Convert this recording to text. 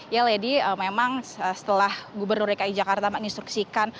ya lady memang setelah gubernur dki jakarta menginstruksikan